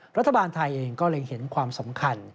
รัฐบาลไทยเองก็เลยเล็งเห็นความสำคัญ